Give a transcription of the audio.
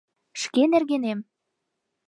Шке нергенем.